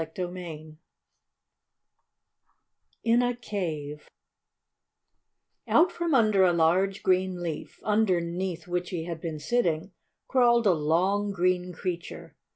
CHAPTER VI IN A CAVE Out from under a large, green leaf, underneath which he had been sitting, crawled a long green creature.